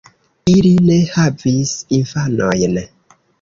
Ili ne havis infanojn.